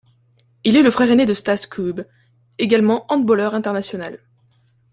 Il est le frère aîné de Staš Skube, également handballeur international.